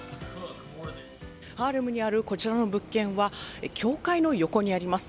ハーレムにあるこちらの物件は教会の横にあります。